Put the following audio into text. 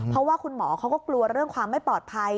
เพราะว่าคุณหมอเขาก็กลัวเรื่องความไม่ปลอดภัย